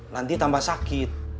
nanti tambah sakit